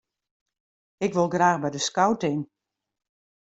Ik wol graach by de skouting.